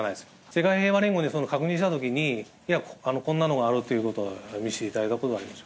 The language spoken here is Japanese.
世界平和連合に確認したときに、いや、こんなのがあるって、見せていただいたことはあります。